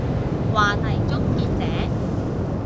話題終結者